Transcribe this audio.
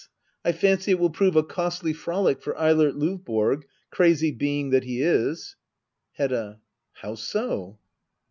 I fancy it will prove a costly frolic for Eilert Lovborg^ crazy being that he is. Hedda. How so